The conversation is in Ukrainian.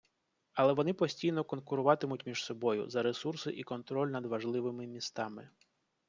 Але вони постійно конкуруватимуть між собою за ресурси і контроль над важливими містами.